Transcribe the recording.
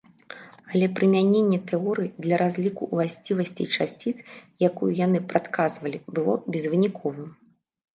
Але прымяненне тэорыі для разліку ўласцівасцей часціц, якую яны прадказвалі, было безвыніковым.